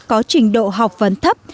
có trình độ học vấn thấp